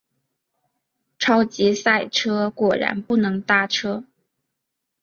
超级塞车，果然不能搭车